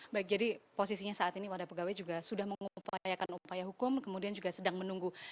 baik jadi posisinya saat ini wadah pegawai juga sudah mengupayakan upaya hukum kemudian juga sedang menunggu